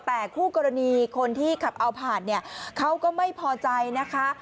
แต่คู่กรณีคนที่ขับเอาผ่านเนี่ยเขาก็ไม่พอใจนะคะ